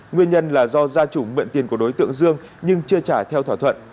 nguyên nhân là do gia chủ mượn tiền của đối tượng dương nhưng chưa trả theo thỏa thuận